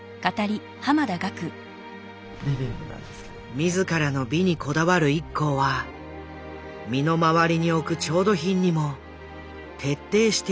自らの美にこだわるＩＫＫＯは身の回りに置く調度品にも徹底して美しさを求める。